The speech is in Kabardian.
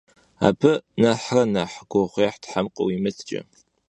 Abı nexhre nexh guğuêh them khıuimıtç'e!